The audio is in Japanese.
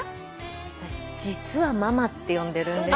私実はママって呼んでる。